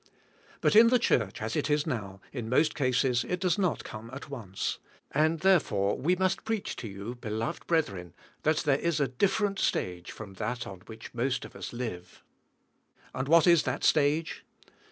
But in the church as it is now, in most cases it does not come at once, and therefore we must preach to you, beloved brethren, that there is a different stage from that, on which most of us live. And what is that stag"e?